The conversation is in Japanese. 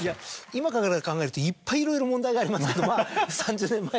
今から考えるといっぱいいろいろ問題がありますけど。